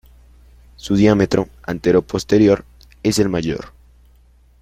Su diámetro antero-posterior es el mayor.